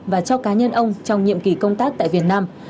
và cho cá nhân ông trong nhiệm kỳ công tác tại việt nam